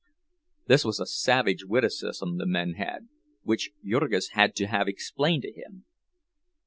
This was a savage witticism the men had, which Jurgis had to have explained to him.